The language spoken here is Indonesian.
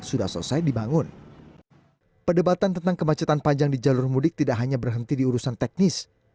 ketika kemacetan terjadi kemasetan panjang di jalur mudik tidak hanya berhenti di urusan teknis